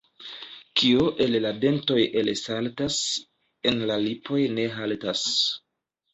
Kio el la dentoj elsaltas, en la lipoj ne haltas.